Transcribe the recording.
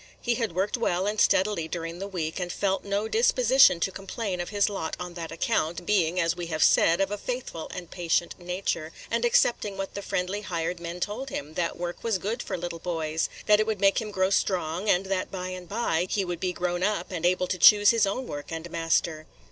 He had worked well and steadily during the week, and felt no disposition to complain of his lot on that account, being, as we have said, of a faithful and patient nature, and accepting what the friendly hired men told him, – that work was good for little boys, that it would make him grow strong, and that by and by he would be grown up and able to choose his own work and master.